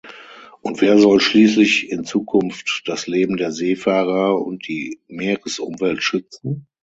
Und wer soll schließlich in Zukunft das Leben der Seefahrer und die Meeresumwelt schützen?